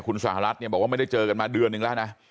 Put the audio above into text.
คุณสหรัฐเนี่ยบอกว่าไม่ได้เจอกันมาเดือนนึงแล้วนะ